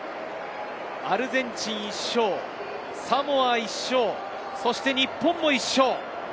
アルゼンチン１勝、サモア１勝、そして日本も１勝。